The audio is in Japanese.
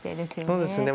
そうですね。